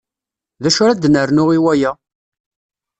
D acu ara ad nernu i waya?